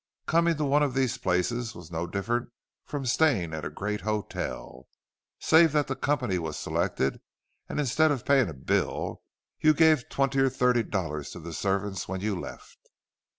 Coming to one of these places was not different from staying at a great hotel, save that the company was selected, and instead of paying a bill, you gave twenty or thirty dollars to the servants when you left.